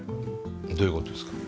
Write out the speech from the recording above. どういうことですか？